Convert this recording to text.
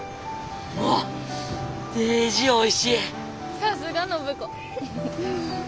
さすが暢子。